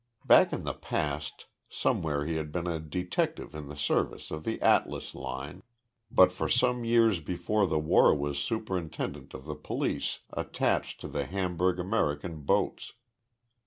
Back in the past somewhere he had been a detective in the service of the Atlas Line, but for some years before the war was superintendent of the police attached to the Hamburg American boats.